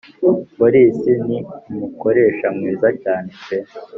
Boris ni umukoresha mwiza cyane pe